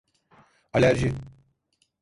Alerji.